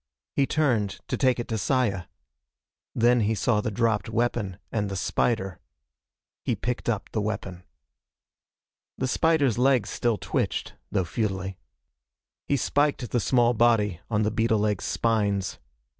He turned to take it to Saya. Then he saw the dropped weapon and the spider. He picked up the weapon. The spider's legs still twitched, though futilely. He spiked the small body on the beetle leg's spines.